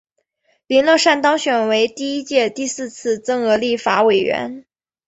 林乐善当选为第一届第四次增额立法委员。